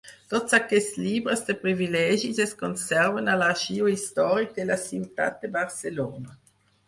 Tots aquests llibres de privilegis es conserven a l’Arxiu Històric de la Ciutat de Barcelona.